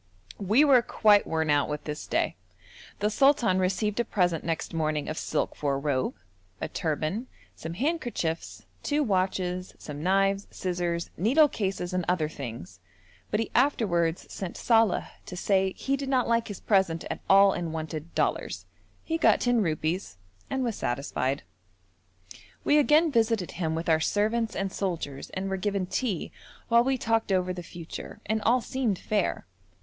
We were quite worn out with this day. The sultan received a present next morning of silk for a robe, a turban, some handkerchiefs, two watches, some knives, scissors, needle cases, and other things, but he afterwards sent Saleh to say he did not like his present at all and wanted dollars. He got ten rupees and was satisfied. We again visited him with our servants and soldiers and were given tea while we talked over the future, and all seemed fair.